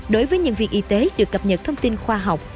đối với nhân viên y tế được cập nhật thông tin khoa học